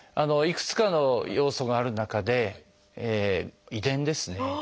いくつかの要素がある中で「遺伝」ですね。